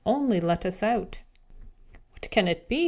Only let us out!" "What can it be?"